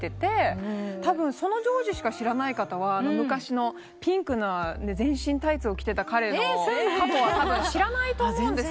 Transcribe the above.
たぶんそのＪｏｊｉしか知らない方は昔のピンクな全身タイツを着てた彼の過去はたぶん知らないと思うんです。